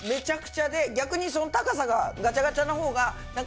逆にその高さがガチャガチャのほうが何か。